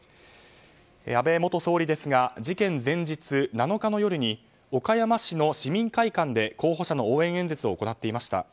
安倍元総理ですが事件前日７日の夜に岡山市の市民会館で候補者の応援演説を行っていました。